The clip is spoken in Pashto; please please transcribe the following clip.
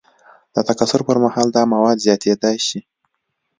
د تکثر پر مهال دا مواد زیاتیدای شي.